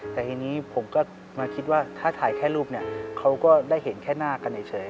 แต่ทีนี้ผมก็มาคิดว่าถ้าถ่ายแค่รูปเนี่ยเขาก็ได้เห็นแค่หน้ากันเฉย